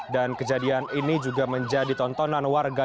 dan kejadian ini juga menjadi tontonan warga